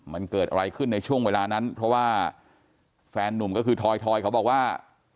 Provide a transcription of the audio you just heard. มันเกิดอะไรขึ้นในช่วงเวลานั้นเพราะว่าแฟนนุ่มก็คือทอยเขาบอกว่า